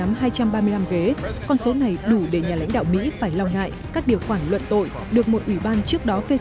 đảng dân chủ hiện nắm hai trăm ba mươi năm ghế con số này đủ để nhà lãnh đạo mỹ phải lo ngại các điều khoản luận tội được một ủy ban trước đó phê chuẩn